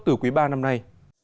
từ quý iii năm nay